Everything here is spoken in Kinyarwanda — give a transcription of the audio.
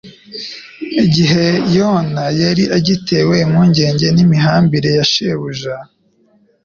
Igihe Yohana yari agitewe impungenge n'imihambire ya Shebuja,